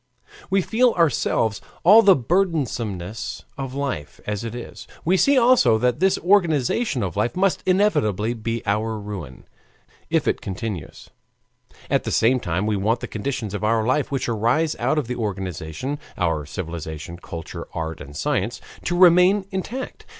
We feel ourselves all the burdensomeness of life as it is; we see also that this organization of life must inevitably be our ruin, if it continues. At the same time we want the conditions of our life which arise out of this organization our civilization, culture, art, and science to remain intact.